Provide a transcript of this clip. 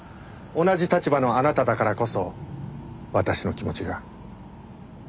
同じ立場のあなただからこそ私の気持ちが。